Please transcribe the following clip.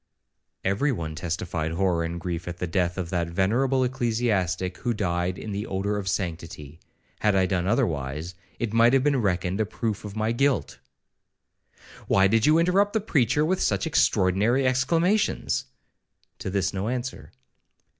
'—'Every one testified horror and grief at the death of that venerable ecclesiastic, who died in the odour of sanctity. Had I done otherwise, it might have been reckoned a proof of my guilt.' 'Why did you interrupt the preacher with such extraordinary exclamations?'—To this no answer.